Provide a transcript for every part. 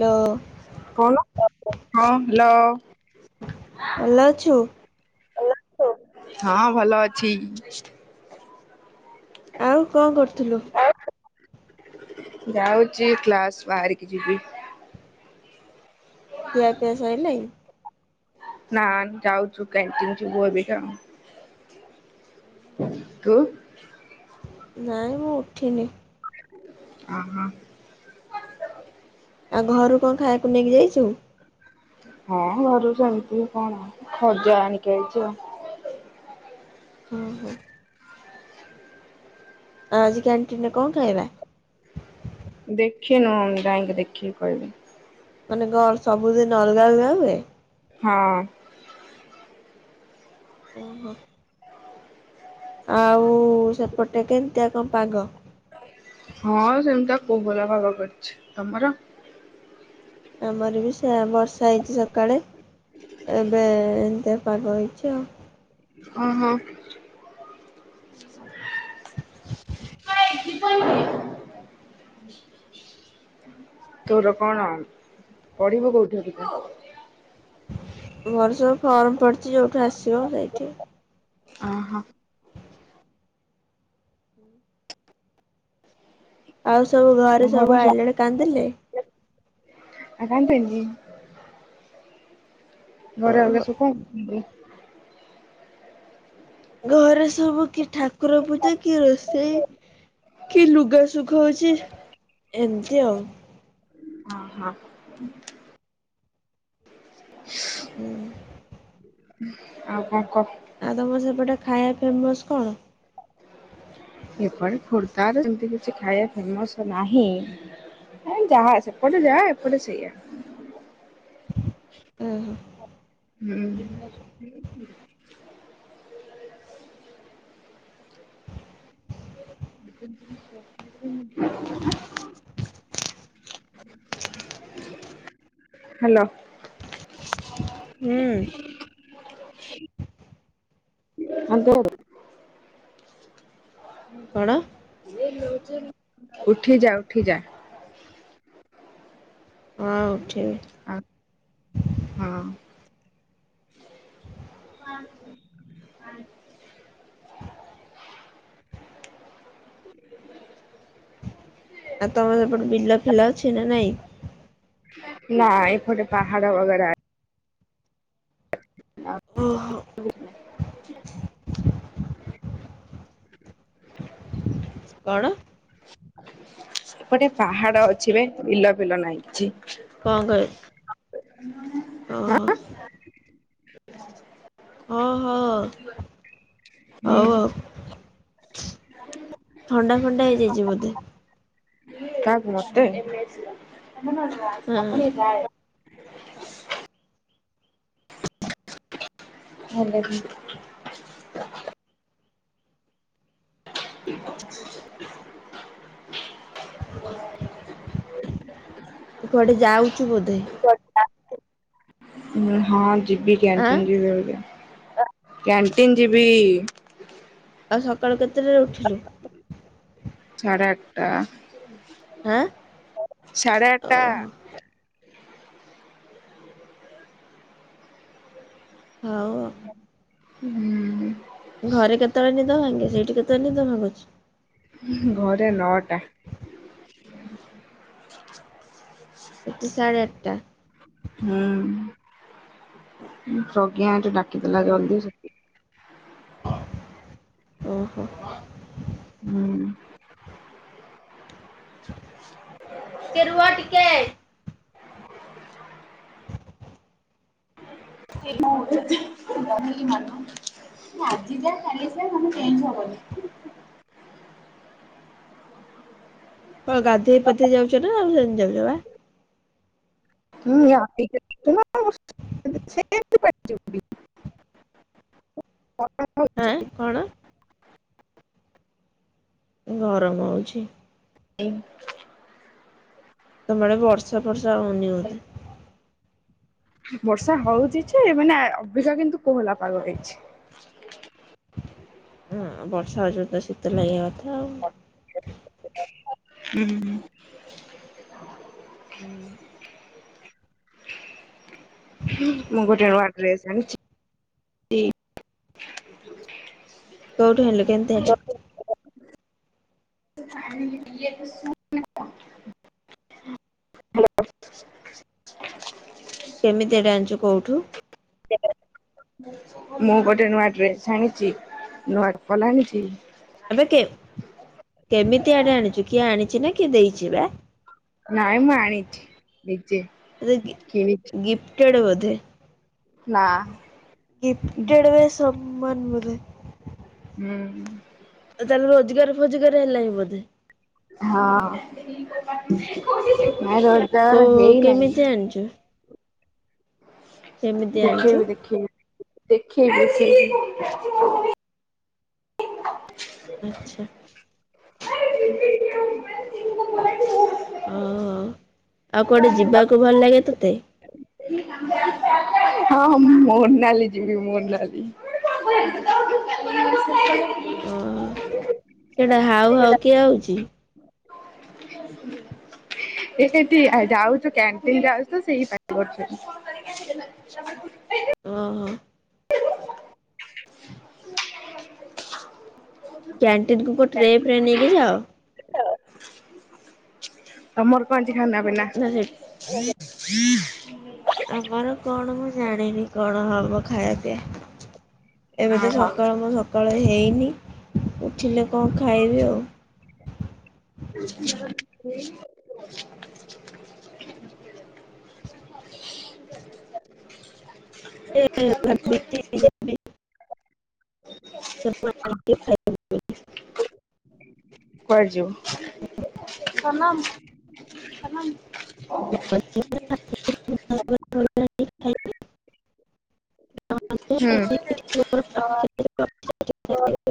ଲୋ। [unintelligible] ହଁ ହ୍ୟାଲୋ। ଭଲ ଅଛୁ? ହଁ ଭଲ ଅଛି। ଆଉ କଣ କରୁଥିଲୁ? ଯାଉଚି କ୍ଲାସ ବାହାରିକି ଯିବି। ଖିଆ ପିଆ ସଇଲାଇ। ନାନ୍ ଯାଉଚୁ କ୍ୟାଣ୍ଟିନ୍ ଯିବୁ ଏବିକା। ତୁ। ନାଇଁ ମୁଁ ଉଠିନି। ଅ ହ। ଆଉ ଘରୁ କଣ ଖାଇଆକୁ ନେଇକି ଯାଇଚୁ? ହଁ ଘରୁ ସେମିତି କଣ ଖଜା ଆଣିକି ଆଇଚି ଆଉ। ଓ ହୋ। ଆଁ ଆଜି କ୍ୟାଣ୍ଟିନ ରେ କଣ ଖାଇବା? ଦେଖିନୁ ଯାଇଁକି ଦେଖିକି କହିବି। ମାନେ କନ୍ ସବୁଦିନ ଅଲଗା ଅଲଗା ହୁଏ? ହଁ। ଓହୋ ଆଉ ସେପଟେ କେମିତିଆ କଣ ପାଗ? ହଁ ସେମିତିଆ କୋହଲା ପାଗ କରିଛି। ତମର? ଆମର ବି ସେଆ ବର୍ଷା ହେଇଚି ସକାଳେ। ଏବେ ଏନ୍ତିଆ ପାାଗ ହେଇଚି ଆଉ। ଅ ହଁ। [inaudible] [inaudible] [inaudible] ତୋର କଣ ପଢିବୁ କୋଉଠି ଏବେ ତୁ? ମୋର ସବୁ ଫର୍ମ ପଡ଼ିଚି ଯେଉଠୁ ଆସିବ ସେଇଠି। ଅ ହଁ। ଆଉ ସବୁ ଘରେ ସବୁ ଆଇଲା ଏଳେ କାନ୍ଦିଲେ? ଆ କାନ୍ଦିଏନି। ଘରେ ଓହୋ। ଅଲଗ ସବୁ କଣ କରୁଥିଲେ? ଘରେ ସବୁ କି ଠାକୁର ପୂଜା କି ରୋଷେଇ। କି ଲୁଗାସୁଖ ହଉଚି ଏମତି ଆଉ। ଅ ହଁ। ହୁଁ ଆଉ କଣ କହ? ଆଉ ତମର ସେପଟେ ଖାଇଆ ଫେମସ କଣ? ଏପରେ ଖୋର୍ଦ୍ଧା ରେ ସେମିତି କିଛି ଖାଇଆ ଫେମସ ନାହିଁ। ଏ ଯାହା ସେପଟେ ଯାଆ ଏପଟେ ସେୟା। [inaudible] ଓହୋ [unintelligible] [inaudible] ହାଲୋ। ହୁଁ। ହାଲୋ। କଣ ଉଠିଯା ଉଠିଯା। ହଁ ଉଠିବି। ଆ ହଁ। [inaudible] ଆଉ ତମର ସେପଟେ ବିଲ ଫିଲ ଅଛି ନା ନାଇଁ? ନା ଏପଟେ ପାହାଡ ବଗେରା ଓହୋ [inaudible] କଣ? ଏପଟେ ପାହାଡ ଅଛିରେ ବିଲ ଫିଲ ନାହିଁ କିଛି। କଣ କହି ଓହୋ। ହୋ ହଉ ହୁଁ। ଆଉ ଥଣ୍ଡା ଫଣ୍ଡା ହେଇଯାଇଚି ବୋଧେ? କାହାକୁ ମତେ? ହଁ ଆଇ ଲଭ୍ ୟୁ। ତୁ କୁଆଡେ ଯାଉଚୁ ବୋଧେ? କୁଆଡେ ନା। ମୁଁ ହଁ ଯିବି ଆଁ କ୍ୟାଣ୍ଟିନ ଯିବି ଏବେ କ୍ୟାଣ୍ଟିନ ଯିବି। ଆଉ ସକାଳୁ କେତେଟାରେ ଉଠିଲୁ? ସାଢ଼େ ଆଟଟା। ହାଁ? ସାଢ଼େ ଆଟଟା। ହୋଉ ଆ ଉଁହୁଁ। ଘରେ କେତେବେଳେ ନିଦ ଭାଙ୍ଗେ ସେଇଠି କେତେବେଳେ ନିଦ ଭାଙ୍ଗୁଛି? ଉଁହୁଁ ଘରେ ନଅଟା। ଏଠି ସାଢ଼େ ଆଠଟା। ହୁଁ ପ୍ରଜ୍ଞା ଏଠି ଡାକିଦେଲା ହଉ ଜଲଦି ସେଥି ଓହୋ। ଉଁ। ଟିକେ ରୁହ ଟିକେ। [unintelligible] ଆଜି ଯା କା ଯା ମେ ଚେଞ୍ଜ ହବନି କଣ ଗାଧେଇ ପାଧେଇ ଯାଉଚ ନା ଅନଲାଇନ ଯାଉଚ ବା? [unintelligible] [inaudible] ହାଁ କଣ? ଗରମ ହୋଉଛି। ଏଇଁ ତମ ଆଡେ ବର୍ଷା ଫର୍ଷା ହୋଉନି ବୋଧେ? ବର୍ଷା ହୋଉଚି ଯେ ମାନେ ଆ ଅବିକା କିନ୍ତୁ କୋହଲା ପାଗ ହେଇଛି। ଉଁ ବର୍ଷା ହୋଉଚି ତତେ ଶୀତ ଲାଗିବା କଥା ଆଉ। ଉଁଉଁଉଁ। ହୁଁ। ମୁଁ ଗୋଟେ ନୂଆ ଡ୍ରେସ ଆଣିଚି। କୋଉଠୁ ଆଣିଲୁ କେମତିଆଟେ? [unintelligible] [unintelligible] କେମିତି ଆଟେ ଆଣିଛୁ କୋଉଠୁ? ମୁଁ ଗୋଟେ ନୂଆ ଡ୍ରେସ୍ ଆଣିଛି ନୂଆ ଚପଲ ଆଣିଛି। ଏବେ କେ କେମିତି ଆଡେ ଆଣିଛୁ କିଏ ଆଣିଛି ନା କିଏ ଦେଇଛି ବା? ନାଇଁ ମୁଁ ଆଣିଛି ନିଜେ ତତେ ଗି କିଣିକି। ନା। ହୁଁ [unintelligible] ହୁଁ। ତାହେଲେ ରୋଜଗାର ଫୋଜଗାର ହେଲା ହିଁ ବୋଧେ। ହଁ ନାଇଁ ରୋଜଗାର ହେଇ ନାହିଁ। ପଞ୍ଚ ଦେଖି ଆଣିଛୁ ବି ଦେଖି ବି ଦେଖି ବି ଦେଖି [inaudible] ଆଚ୍ଛା। [inaudible] ଓ ଆଉ କୁଆଡେ ଯିବାକୁ ଭଲ ଲାଗେ ତୋତେ? ହଁ ମୋରନାଲି ଯିବି ମୋରନାଲୀ। [inaudible] ଓ ସେଟା ହାଉ ହାଉ କିଏ ହଉଛି? [inaudible] ଏଠି ଆ ଯାଉଛୁ କ୍ୟାଣ୍ଟିନ ଯାଉଛୁ ସେଇପାଇ କରୁଛନ୍ତି। ଓ ହୋ। କ୍ୟାଣ୍ଟିନ୍ କୁ ଗୋ ଟ୍ରେ ଫ୍ରେ ନେଇକି ଯାଅ। [inaudible] ଅମର କଞ୍ଚ ଖା ନ ବିନା। ନା ସେ ଆମର କଣ ମୁଁ ଜାଣିନି କଣ ହବ ଖାଇବା ପିଆ? ଏବେ ତ ଓହୋ ସକାଳ ମୁଁ ସକାଳ ହେଇନି ଉଠିଲେ କଣ ଖାଇବି ଆଉ। [inaudible] [inaudible] [unintelligible] କୁଆଡେ ଯିବୁ? [unintelligible] ହୁଁ। [inaudible]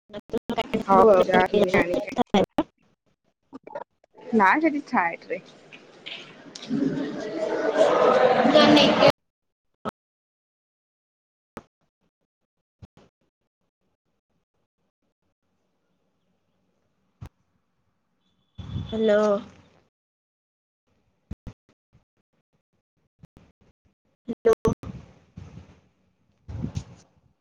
[unintelligible] [unintelligible] ନାଁ ଯଠି ଛା ଆଇଠରେ। [inaudible] ହ୍ୟାଲୋ। ହ୍ୟାଲୋ।